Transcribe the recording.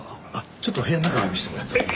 ちょっと部屋の中を見せてもらっても？